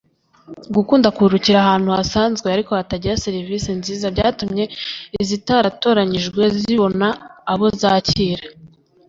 gukunda kuruhukira ahantu hasanzwe ariko batanga serivisi nziza byatumye n’izitaratoranyijwe zibona abo zakira